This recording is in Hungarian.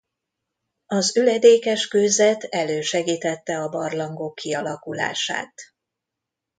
Az üledékes kőzet elősegítette a barlangok kialakulását.